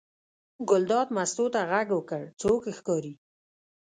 ګلداد مستو ته غږ وکړ: څوک ښکاري.